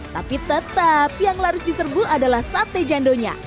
tapi tetap yang laris diserbu adalah sate jando nya